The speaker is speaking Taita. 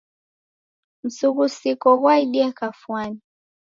Msughusiko ghwaidie kafwani.